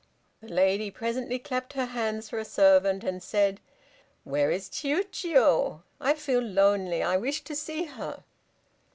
The lady presently clapped her hands for a servant, and said, "Where is Chiûjiô, I feel lonely, I wish to see her."